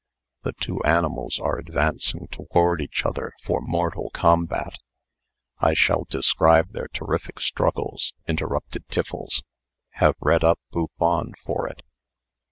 The two animals are advancing toward each other for mortal combat." "I shall describe their terrific struggles," interrupted Tiffles. "Have read up Buffon for it."